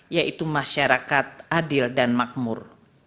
yaitu masyarakat adil dan makmur